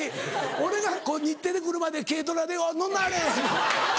俺が日テレ来るまで軽トラで「乗んなはれ！」。